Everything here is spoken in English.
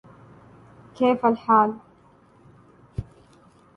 In the mid-sixties, Barbieri developed the pocket comic, also known as a digest.